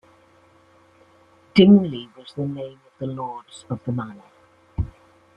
Dingley was the name of the lords of the manor.